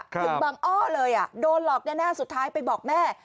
บังอ้อเลยโดนหลอกแน่สุดท้ายไปบอกแม่